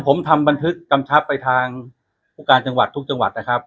ผมทำบันทึกกำชับไปทางผู้การจังหวัดทุกจังหวัดนะครับ